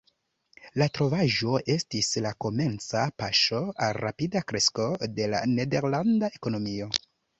La trovaĵo estis la komenca paŝo al rapida kresko de la nederlanda ekonomio.